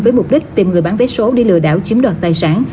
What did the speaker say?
với mục đích tìm người bán vé số để lừa đảo chiếm đoạt tài sản